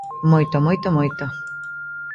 Moito, moito, moito.